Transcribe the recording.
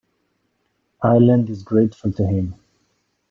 Ireland is grateful to him.